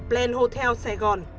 plain hotel sài gòn